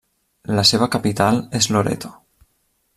La seva capital és Loreto.